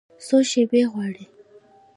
څو شیبې غواړي